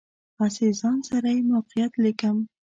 هسې ځان سره یې موقعیت لیکم.